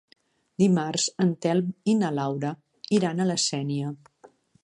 Dimarts en Telm i na Laura iran a la Sénia.